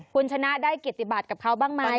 คุณชนะได้กิจบัตรกับเขาบ้างไหม